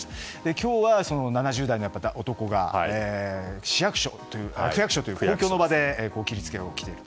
今日は７０代の男が区役所という公共の場で切り付けを起こしている。